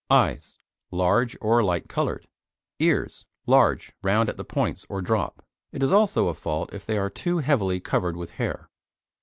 EYES Large or light coloured. EARS Large, round at the points or drop. It is also a fault if they are too heavily covered with hair.